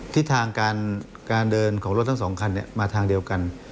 ทิศทางการเดินของรถทั้งสองคันมาทางเดียวกัน